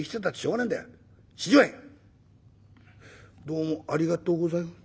「どうもありがとうございま」。